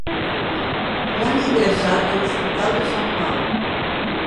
L'han ingressat a l'hospital de Sant Pau.